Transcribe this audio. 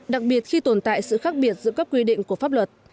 đặc biệt khi tồn tại sự khác biệt giữa các quy định của pháp luật